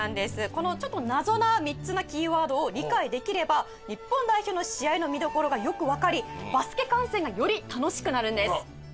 このちょっと謎な３つのキーワードを理解できれば日本代表の試合の見どころがよくわかりバスケ観戦がより楽しくなるんです。